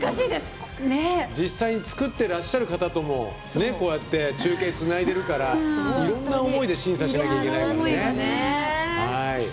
実際に作ってらっしゃる方ともこうやって中継をつないでるからいろんな思いで審査しなきゃいけないからね。